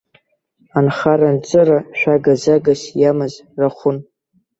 Анхара-анҵыра шәага-загас иамаз рахәын.